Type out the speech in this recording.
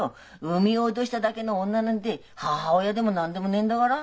産み落としただけの女なんて母親でも何でもねえんだから。